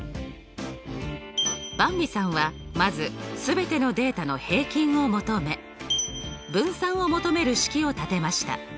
ばんびさんはまず全てのデータの平均を求め分散を求める式を立てました。